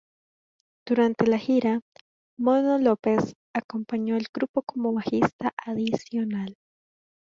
Durante la gira, "Mono" López acompañó al grupo como bajista adicional.